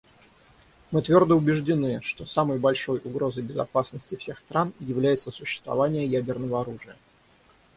Мы твердо убеждены, что самой большой угрозой безопасности всех стран является существование ядерного оружия.